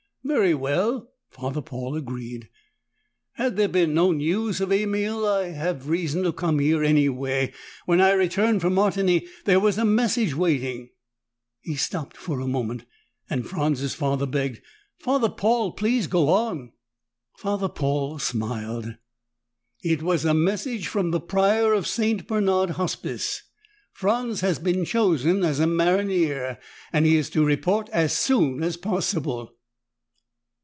"Very well," Father Paul agreed. "Had there been no news of Emil, I'd have had reason to come here, anyway. When I returned from Martigny, there was a message waiting " He stopped for a moment, and Franz's father begged, "Father Paul, please go on!" Father Paul smiled. "It was a message from the Prior of St. Bernard Hospice. Franz has been chosen as a maronnier, and he is to report as soon as possible."